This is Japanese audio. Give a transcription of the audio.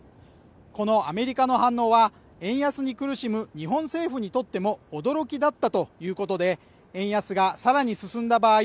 このアメリカの反応は円安に苦しむ日本政府にとっても驚きだったということで円安がさらに進んだ場合